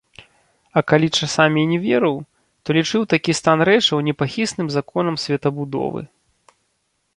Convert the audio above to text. А калі часамі і не верыў, то лічыў такі стан рэчаў непахісным законам светабудовы.